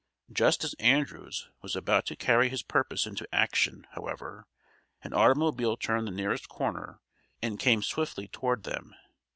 Just as Andrews was about to carry his purpose into action, however, an automobile turned the nearest corner and came swiftly toward them.